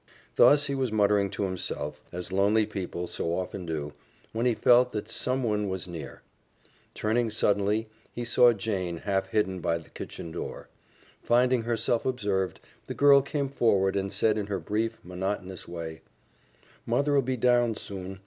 Thus he was muttering to himself, as lonely people so often do, when he felt that someone was near. Turning suddenly, he saw Jane half hidden by the kitchen door. Finding herself observed, the girl came forward and said in her brief monotonous way: "Mother'll be down soon.